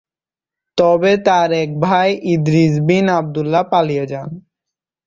তবে তার এক ভাই ইদ্রিস বিন আবদুল্লাহ পালিয়ে যান।